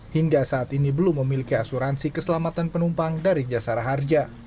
hingga saat ini belum memiliki asuransi keselamatan penumpang dari jasara harja